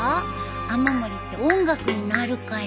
雨漏りって音楽になるから。